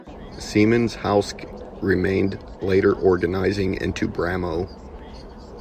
Siemens-Halske remained, later reorganizing into Bramo.